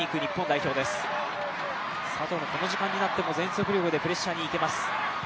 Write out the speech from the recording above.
佐藤もこの時間になっても全速力でプレッシャーにいきます。